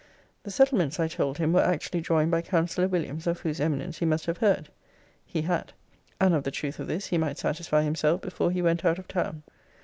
'The settlements, I told him, were actually drawing by Counsellor Williams, of whose eminence he must have heard ' He had. 'And of the truth of this he might satisfy himself before he went out of town.